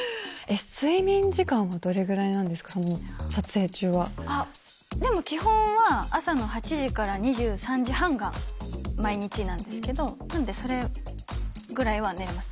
睡眠時間はどれぐらいなんででも基本は、朝の８時から２３時半が毎日なんですけど、なので、それぐらいは寝れます。